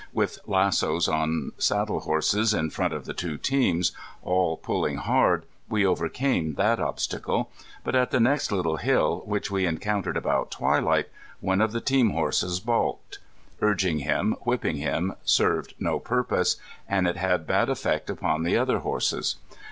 With lassos on saddle horses in front of the two teams, all pulling hard, we overcame that obstacle. But at the next little hill, which we encountered about twilight, one of the team horses balked. Urging him, whipping him, served no purpose; and it had bad effect upon the other horses.